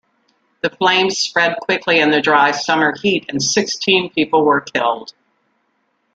The flames spread quickly in the dry summer heat, and sixteen people were killed.